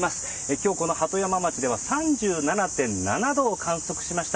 今日、この鳩山町では３７．７度を観測しました。